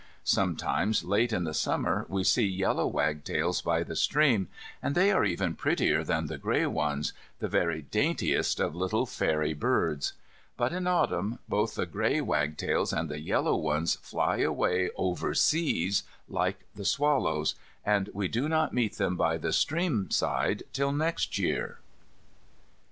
Sometimes late in the summer we see yellow wagtails by the stream, and they are even prettier than the grey ones, the very daintiest of little fairy birds. But in autumn, both the grey wagtails and the yellow ones fly away over seas like the swallows, and we do not meet them by the stream side till next year.